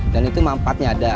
dan itu manfaatnya ada